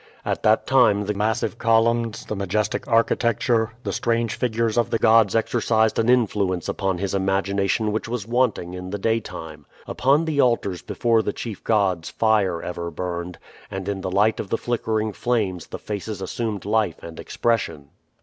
At that time the massive columns, the majestic architecture, the strange figures of the gods exercised an influence upon his imagination which was wanting in the daytime. Upon the altars before the chief gods fire ever burned, and in the light of the flickering flames the faces assumed life and expression.